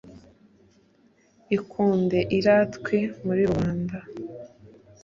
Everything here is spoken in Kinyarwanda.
Ikunde iratwe muri rubanda